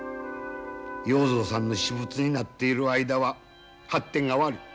要造さんの私物になっている間は発展が悪い。